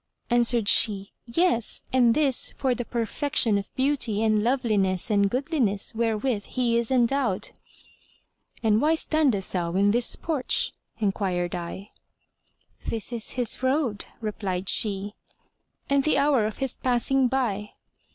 Answered she, "Yes; and this for the perfection of beauty and loveliness and goodliness wherewith he is endowed." "And why standeth thou in this porch?" enquired I. "This is his road," replied she, "and the hour of his passing by."